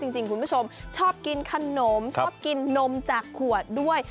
จริงคุณผู้ชมชอบกินขนมชอบกินนมจากขวดด้วย